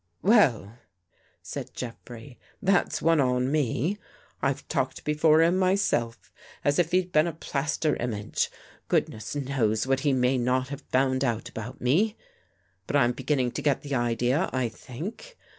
" Well," said Jeffrey, " that's one on me. I've talked before him myself, as if he'd been a plaster image. Goodness knows what he may not have found out about me. But I'm beginning to get the idea, I think.